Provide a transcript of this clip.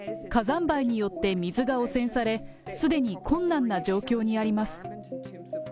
火山灰によって水が汚染され、すでに困難な状況にあります。